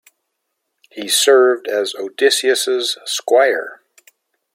He served as Odysseus's squire.